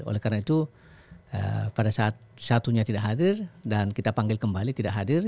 oleh karena itu pada saat satunya tidak hadir dan kita panggil kembali tidak hadir